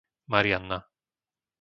Marianna